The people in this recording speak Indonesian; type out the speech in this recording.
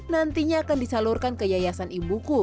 nantinya akan disalurkan ke yayasan ibuku